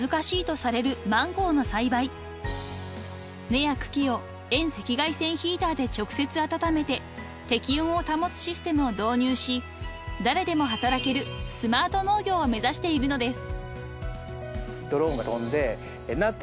［芽や茎を遠赤外線ヒーターで直接温めて適温を保つシステムを導入し誰でも働けるスマート農業を目指しているのです］